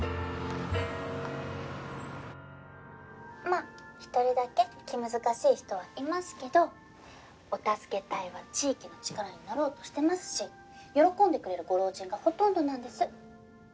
まっ一人だけ気難しい人はいますけどお助け隊は地域の力になろうとしてますし喜んでくれるご老人がほとんどなんです。